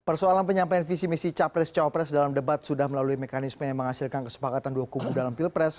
persoalan penyampaian visi misi capres capres dalam debat sudah melalui mekanisme yang menghasilkan kesepakatan dua kubu dalam pilpres